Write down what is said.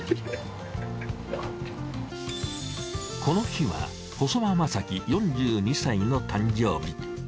この日は細間正樹４２歳の誕生日。